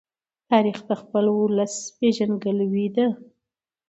تاریخ د خپل ولس پېژندګلوۍ ده.